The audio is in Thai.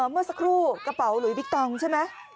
เมื่อสักครู่กระเป๋าหลุยบิ๊กตองใช่ไหม